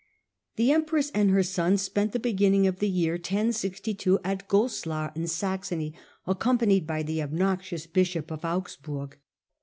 The empress and her son spent the beginning of the year 1062 at Goslar in Saxony, accompanied by the obnoxious bishop of Augsburg.